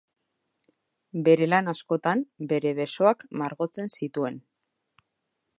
Bere lan askotan, bere besoak margotzen zituen.